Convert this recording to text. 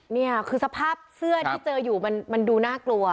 นี่คือสภาพเสื้อที่เจออยู่มันดูน่ากลัว